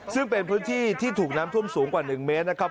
ซึ่งเป็นพื้นที่ที่ถูกน้ำท่วมสูงกว่า๑เมตรนะครับ